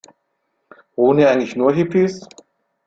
Wohnen hier eigentlich nur Hippies?